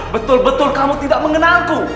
betul betul kamu tidak mengenalku